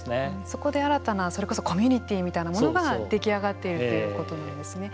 そこで新たなそれこそコミュニティーみたいなものが出来上がっているっていうことなんですね。